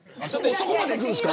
そこまでいくんですか。